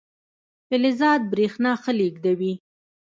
فلزات برېښنا ښه لیږدوي.